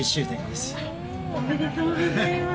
おめでとうございます。